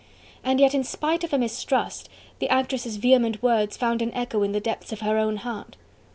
And yet in spite of her mistrust the actress' vehement words found an echo in the depths of her own heart.